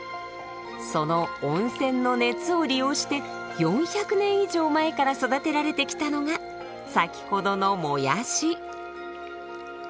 その温泉の熱を利用して４００年以上前から育てられてきたのが先ほどの「もやし」。